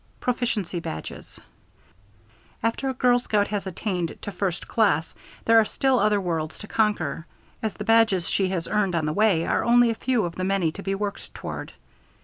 Proficiency badges. After a girl scout has attained to first class there are still other worlds to conquer, as the badges she has earned on the way are only a few of the many to be worked toward.